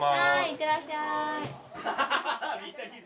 行ってらっしゃい。